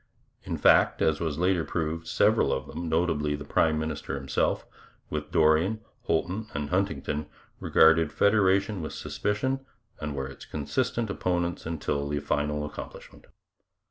In fact, as was proved later, several of them, notably the prime minister himself, with Dorion, Holton, and Huntington, regarded federation with suspicion and were its consistent opponents until the final accomplishment.